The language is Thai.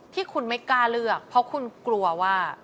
ที่คุณไม่กล้าเลือกเพราะคุณกลัวว่า